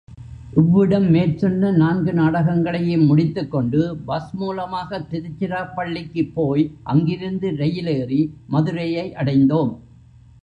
இவ்விடம் மேற்சொன்ன நான்கு நாடகங்களையும் முடித்துக் கொண்டு, பஸ் மூலமாகத் திருச்சிராப்பள்ளிக்குப் போய் அங்கிருந்து ரெயிலேரி மதுரையை அடைந்தோம்.